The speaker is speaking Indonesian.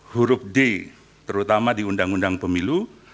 huruf d terutama di undang undang pemilu